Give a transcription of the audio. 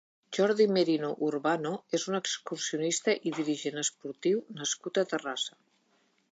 Jordi Merino Urbano és un excursionista i dirigent esportiu nascut a Terrassa.